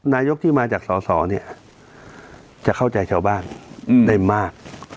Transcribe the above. นายกที่มาจากสอสอเนี่ยจะเข้าใจชาวบ้านได้มาก